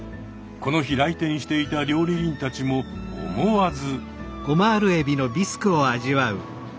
この日来店していた料理人たちも思わず。